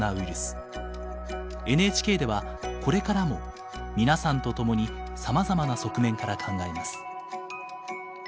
ＮＨＫではこれからも皆さんと共にさまざまな側面から考えます。